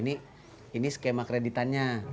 nah bu ini skema kreditannya